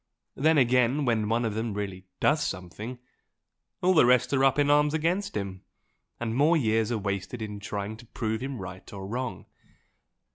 Then again, when one of them really does something, all the rest are up in arms against him, and more years are wasted in trying to prove him right or wrong.